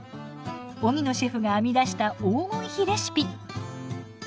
荻野シェフが編み出した黄金比レシピ。